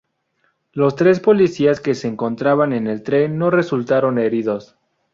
Los tres policías que se encontraban en el tren no resultaron heridos.